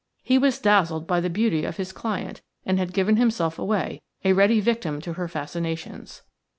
He was dazzled by the beauty of his client, and had given himself away, a ready victim to her fascinations.